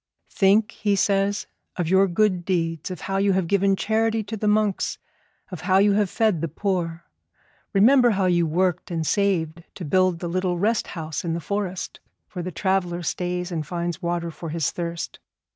'Think,' he says, 'of your good deeds, of how you have given charity to the monks, of how you have fed the poor. Remember how you worked and saved to build the little rest house in the forest where the traveller stays and finds water for his thirst.